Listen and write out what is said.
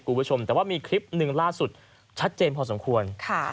คุณผู้ชมแต่ว่ามีคลิปหนึ่งล่าสุดชัดเจนพอสมควร